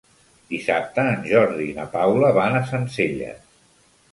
Dissabte en Jordi i na Paula van a Sencelles.